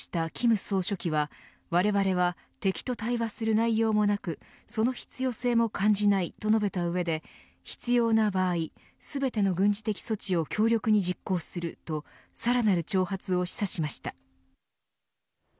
現地指導した金総書記はわれわれは敵と対話する内容もなくその必要性も感じないと述べた上で必要な場合全ての軍事的措置を強力に実行するとさらなる挑発を示唆しました。